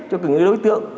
cho những đối tượng